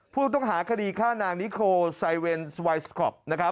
ผู้ต้องหาคดีฆ่านางนิโคลไซเวนวายสกรอบ